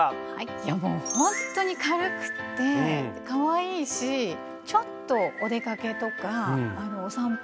いやもうほんっとに軽くってかわいいしちょっとお出かけとかお散歩。